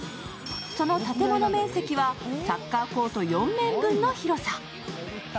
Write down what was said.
その建物面積はサッカーコート４面分の広さ。